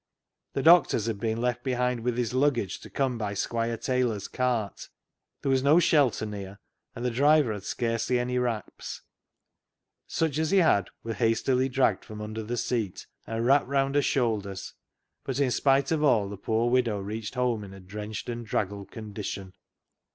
The doctor's had been left behind with his lug gage, to come by Squire Taylor's cart. There was no shelter near, and the driver had scarcely any wraps. Such as he had were hastily dragged from under the seat, and wrapped round her shoulders, but, in spite of all, the poor widow reached home in a drenched and draggled condition.